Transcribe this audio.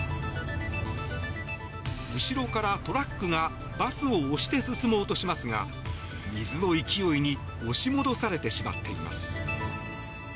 後ろからトラックがバスを押して進もうとしますが水の勢いに押し戻されてしまっています。